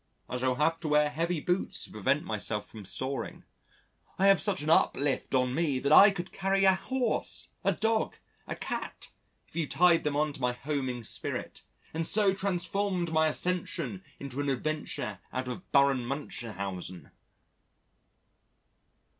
I shall have to wear heavy boots to prevent myself from soaring. I have such an uplift on me that I could carry a horse, a dog, a cat, if you tied them on to my homing spirit and so transformed my Ascension into an adventure out of Baron Munchausen."